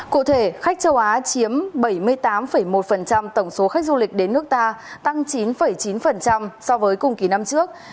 cụ thể khách châu á chiếm bảy mươi tám một tổng số khách du lịch đến nước ta tăng chín chín so với cùng kỳ năm trước